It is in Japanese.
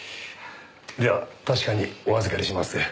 では確かにお預かりします。